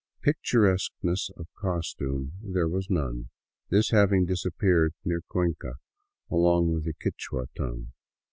Picturesquesness of costume there was none, this having disappeared near Cuenca along with the Quichua tonque.